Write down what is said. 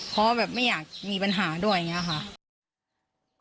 เพราะว่าแบบไม่อยากมีปัญหาด้วยอย่างนี้ค่ะ